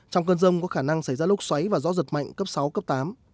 trong cơn rông có khả năng xảy ra lốc xoáy và gió giật mạnh cấp sáu cấp tám